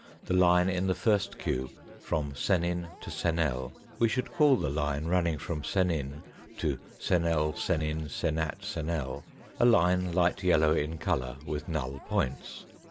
the line in the first cube from senin to senel, we should call the line running from senin to senel, senin senat senel, a line light yellow in colour with null points.